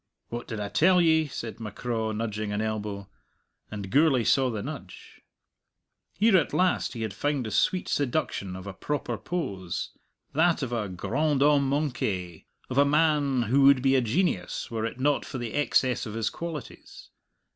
"What did I tell ye?" said M'Craw, nudging an elbow; and Gourlay saw the nudge. Here at last he had found the sweet seduction of a proper pose that of a grand homme manqué, of a man who would be a genius were it not for the excess of his qualities.